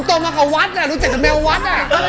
คนต่อมากับวัดแล้วรู้จักกับแมววัด